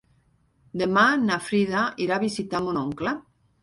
Demà na Frida irà a visitar mon oncle.